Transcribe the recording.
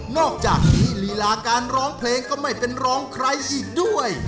อกจากนี้ลีลาการร้องเพลงก็ไม่เป็นร้องใครอีกด้วย